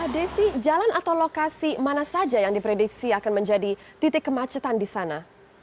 desi jalan atau lokasi mana saja yang diprediksi akan menjadi titik kemacetan di sana